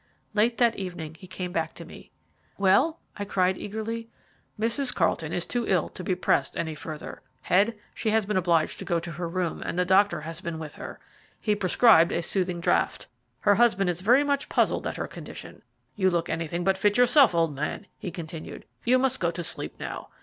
Late that evening he came back to me. "Well?" I cried eagerly. "Mrs. Carlton is too ill to be pressed any further, Head; she has been obliged to go to her room, and the doctor has been with her. He prescribed a soothing draught. Her husband is very much puzzled at her condition. You look anything but fit yourself, old man," he continued. "You must go to sleep now.